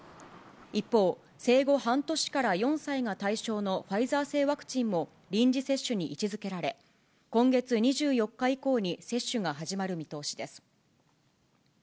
一方、生後半年から４歳が対象のファイザー製ワクチンも臨時接種に位置づけられ、今月２４日以降に、接種が始まる見通しです。